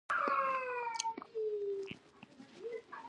او د هغه مشرانو اطاعت وکړی چی له تاسی څخه دی .